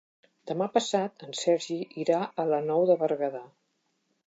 Demà passat en Sergi irà a la Nou de Berguedà.